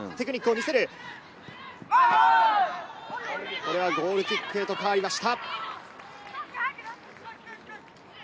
これはゴールキックへと変わりました。